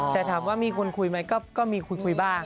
แต่ถามว่ามีคนคุยไหมก็มีคุยบ้าง